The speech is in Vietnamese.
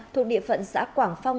thuộc địa phận xã quảng phong